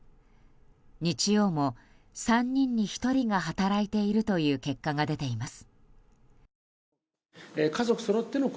日曜も３人に１人が働いているという結果が出ています。